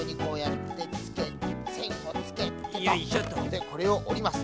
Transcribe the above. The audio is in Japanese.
でこれをおります。